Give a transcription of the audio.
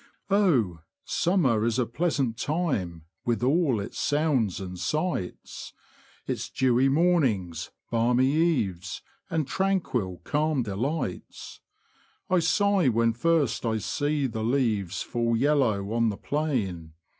Oh ! summer is a pleasant time, with all its sounds and sights — Its dewy mornings, balmy eves, and tranquil, calm delights ; I sigh when first I see the leaves fall yellow on the plain.